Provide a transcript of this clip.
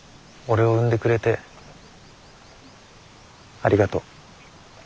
俺を産んでくれてありがとう。